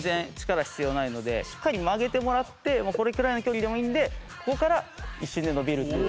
しっかり曲げてもらってもうこれくらいの距離でもいいのでここから一瞬で伸びるという。